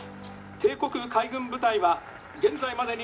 帝国海軍部隊は現在までに」。